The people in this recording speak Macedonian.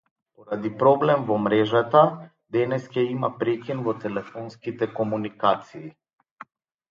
Поради проблем во мрежата, денес ќе има прекин во телефонските комуникации.